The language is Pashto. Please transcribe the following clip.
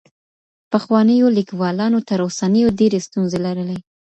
پخوانيو ليکوالانو تر اوسنيو ډېري ستونزې لرلې.